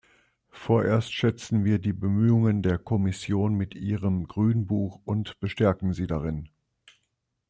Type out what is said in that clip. Vorerst schätzen wir die Bemühungen der Kommission mit ihrem Grünbuch und bestärken sie darin.